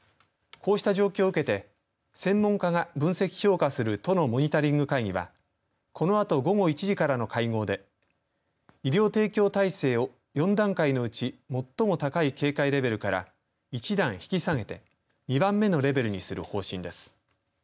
こうした状況をうけて、専門家が分析、評価する都のモニタリング会議はこのあと午後１時からの会合で医療提供体制を４段階のうち最も高い警戒レベルから一段引き下げて２番目のレベルにする方針です。